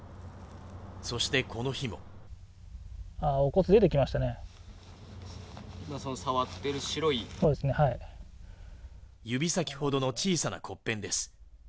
そしてこの日も指先ほどの小さな骨片です。